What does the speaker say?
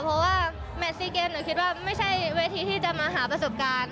เพราะว่าแมทซีเกมหนูคิดว่าไม่ใช่เวทีที่จะมาหาประสบการณ์